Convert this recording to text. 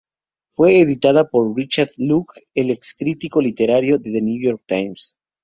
Fue editada por Richard Locke, el ex crítico literario de "The New York Times".